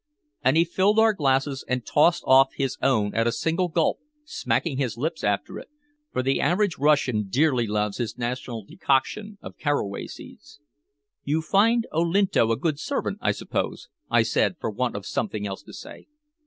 And he filled our glasses, and tossed off his own at a single gulp, smacking his lips after it, for the average Russian dearly loves his national decoction of caraway seeds. "You find Olinto a good servant, I suppose?" I said, for want of something else to say.